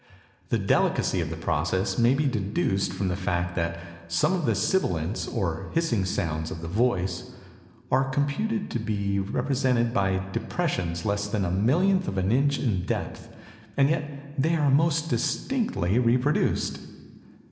The delicacy of the process may be deduced from the fact that some of the sibilants, or hissing sounds of the voice, are computed to be represented by depressions less than a millionth of an inch in depth, and yet they are most distinctly reproduced!